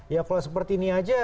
ya kalau seperti ini aja